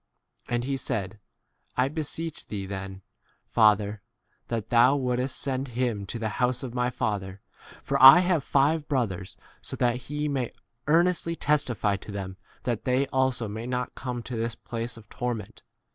2 ' And he said, I beseech thee then, father, that thou wouldest send him to the house of my father, 28 for I have five brothers, so that he may earnestly testify to them, that they also may not come to 29 this place of torment.